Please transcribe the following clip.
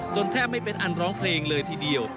แทบไม่เป็นอันร้องเพลงเลยทีเดียว